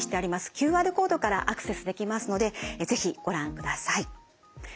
ＱＲコードからアクセスできますので是非ご覧ください。